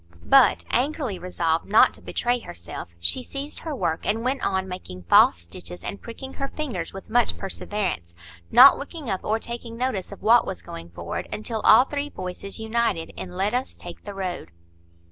But, angrily resolved not to betray herself, she seized her work, and went on making false stitches and pricking her fingers with much perseverance, not looking up or taking notice of what was going forward, until all the three voices united in "Let us take the road."